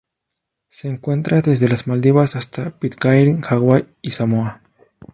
Se encuentra desde las Maldivas hasta Pitcairn, Hawaii y Samoa.